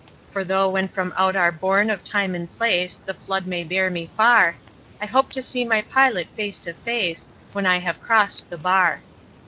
For though when from out our bourne of Time and Place The flood may bear me far, I hope to see my Pilot face to face When I have crossed the bar.